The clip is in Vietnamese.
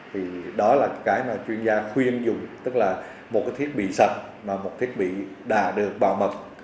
thì đó là cái mà chuyên gia khuyên dùng tức là một cái thiết bị sạch mà một thiết bị đạt được bảo mật